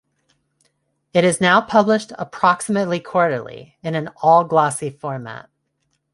It is now published approximately quarterly, in an all-glossy format.